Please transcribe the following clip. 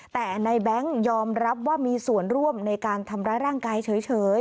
แต่ในแบงค์ยอมรับว่ามีส่วนร่วมในการทำร้ายร่างกายเฉย